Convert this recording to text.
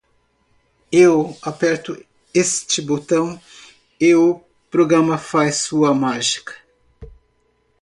Eu aperto este botão e o programa faz sua mágica.